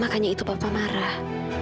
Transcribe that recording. karena itu papa marah